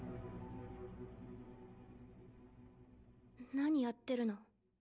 何やってるの？